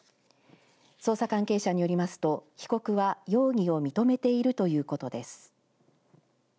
捜査関係者によりますと被告は容疑を認めているということです。